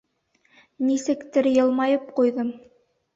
Нисектер йылмайып ҡуйҙым.